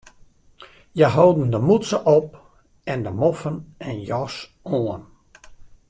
Hja holden de mûtse op en de moffen en jas oan.